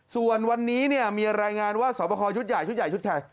ส่วนวันนี้มีรายงานว่าสวมพครชุดใหญ่ชุดใคร